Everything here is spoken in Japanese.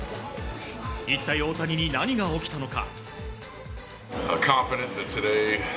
一体大谷に何が起きたのか。